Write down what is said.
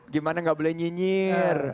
gimana gak boleh nyinyir